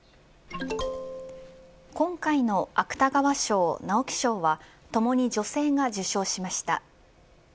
今回の芥川賞、直木賞はともに女性が受賞しました。